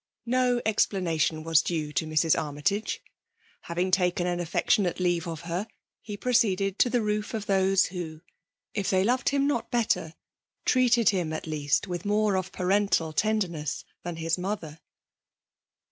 No explanation was due to Mrs. Armytage. Having taken an afiectiohate leave of her, he proceeded to the roof of those F£MA1«S PQMINiLT|OK« 14I who, if they loved him not better, treaty bn at least with more of parental tenderness than his mother.